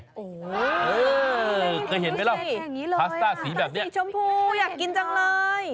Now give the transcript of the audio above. โอ้โหเคยเห็นไหมล่ะพาสต้าสีแบบนี้สีชมพูอยากกินจังเลย